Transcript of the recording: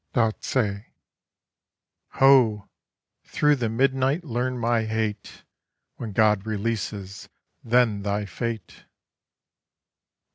DARZÉ: 'Ho! Thro' the Midnight learn my hate. When God releases, then thy fate.